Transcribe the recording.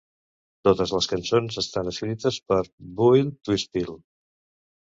Totes les cançons estan escrites per Built To Spill.